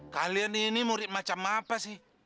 kalian ini murid macam apa sih